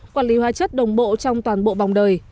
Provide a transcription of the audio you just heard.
quản lý hóa chất đồng bộ trong toàn bộ vòng đời